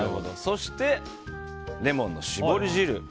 そしてレモンの搾り汁。